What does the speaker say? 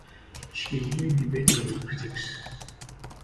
She enjoyed debating with critics.